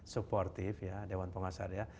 supportive dewan pengawas syariah